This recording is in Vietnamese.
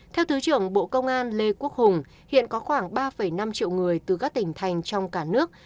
theo thứ trưởng bộ công an lê quốc hùng hiện có khoảng ba năm triệu người từ các tỉnh thành trong cả nước